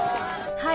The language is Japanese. はい。